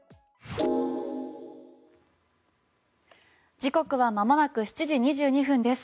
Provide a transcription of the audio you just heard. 時刻はまもなく７時２２分です。